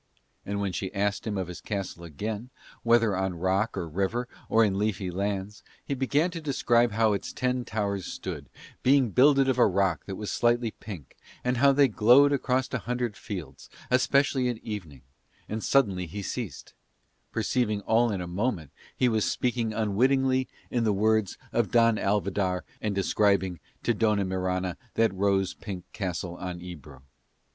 And when she asked him of his castle again, whether on rock or river or in leafy lands, he began to describe how its ten towers stood, being builded of a rock that was slightly pink, and how they glowed across a hundred fields, especially at evening; and suddenly he ceased, perceiving all in a moment he was speaking unwittingly in the words of Don Alvidar and describing to Dona Mirana that rose pink castle on Ebro.